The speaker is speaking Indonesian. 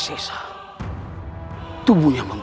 rayus rayus sensa pergi